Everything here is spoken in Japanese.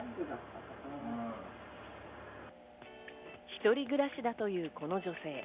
一人暮らしだというこの女性。